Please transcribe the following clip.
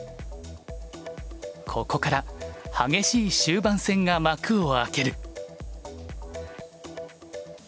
ここから激しい終盤戦が幕を開ける。